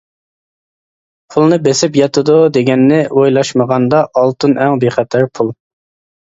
پۇلنى بېسىپ ياتىدۇ دېگەننى ئويلاشمىغاندا ئالتۇن ئەڭ بىخەتەر پۇل.